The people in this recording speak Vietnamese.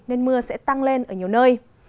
nên mưa sẽ tăng lên ở nhiều nơi